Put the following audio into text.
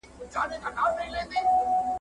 • د ړندو په ښار کي يو سترگی باچا دئ.